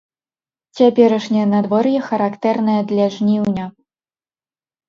Цяперашняе надвор'е характэрнае для жніўня.